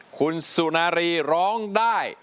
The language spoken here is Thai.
คุณสุนารีร้องได้